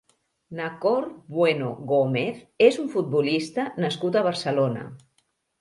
Nakor Bueno Gómez és un futbolista nascut a Barcelona.